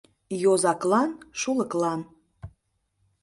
Йозаклан — шулыклан